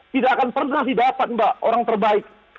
tidak akan pernah didapat mbak orang terbaik